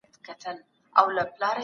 د کرنې پخوانی نظام ختم سو.